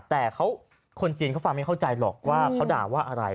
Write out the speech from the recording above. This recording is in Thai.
แต่คนจีนเขาฟังไม่เข้าใจหรอกว่าเขาด่าว่าอะไร